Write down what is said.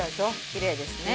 きれいですね。